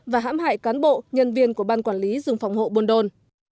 và hãm hại cán bộ nhân viên của ban quản lý rừng phòng hộ buôn đôn